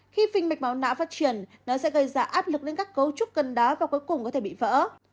khi phình mạch máu nã phát triển nó sẽ gây ra áp lực lên các cấu trúc cân đá và cuối cùng có thể bị vỡ